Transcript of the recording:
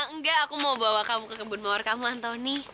enggak aku mau bawa kamu ke kebun mawar kamu antoni